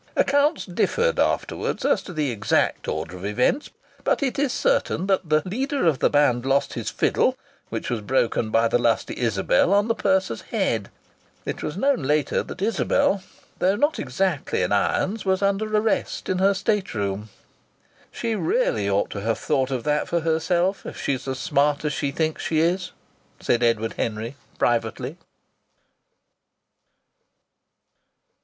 Accounts differed, afterwards, as to the exact order of events; but it is certain that the leader of the band lost his fiddle, which was broken by the lusty Isabel on the purser's head. It was known later that Isabel, though not exactly in irons, was under arrest in her state room. "She really ought to have thought of that for herself, if she's as smart as she thinks she is," said Edward Henry, privately.